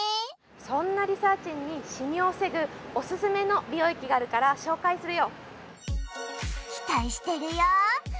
そんなリサーちんにシミを防ぐおすすめの美容液があるから紹介するよ期待してるよ